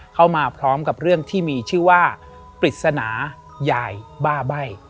เข้ามาพร้อมกับเรื่องที่มีชื่อว่าปริศนายายบ้าใบ้